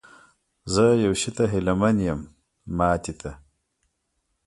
زه یو شي ته هیله من یم، ماتې ته؟